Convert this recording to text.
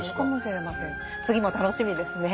次も楽しみですね。